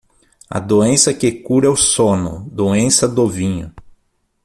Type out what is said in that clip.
A doença que cura o sono, doença do vinho.